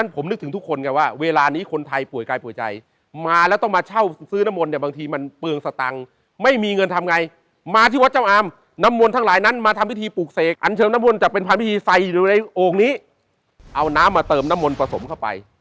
เพราะฉะนั้นผมนึกถึงทุกคนกันว่า